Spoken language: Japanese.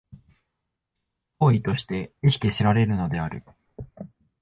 当為として意識せられるのである。